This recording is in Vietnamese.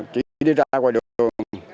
chỉ đi ra ngoài đường